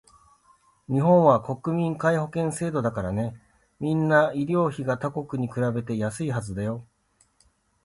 日本は国民皆保険制度だからね、みんな医療費が他国に比べて安いはずだよ